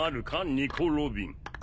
ニコ・ロビン。